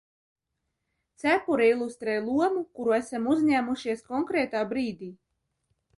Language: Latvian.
Cepure ilustrē lomu, kuru esam uzņēmušies konkrētā brīdī.